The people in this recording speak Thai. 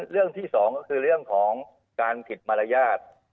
เรื่องที่สองก็คือเรื่องของการผิดมารยาท